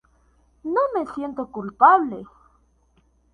No me siento culpable.